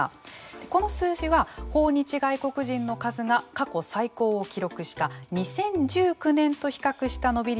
この数字は訪日外国人の数が過去最高を記録した２０１９年と比較した伸び率を示しています。